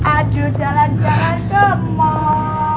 aduh jalan jalan ke mall